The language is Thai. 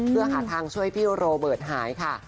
เพื่อหาทางช่วยพี่โรเบิร์ตหายค่ะ